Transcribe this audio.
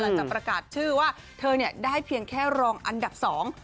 หลังจากประกาศชื่อว่าเธอได้เพียงแค่รองอันดับสอง